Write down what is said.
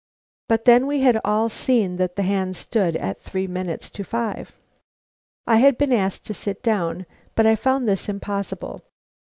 But then we had all seen that the hands stood at three minutes to five. I had been asked to sit down, but I found this impossible.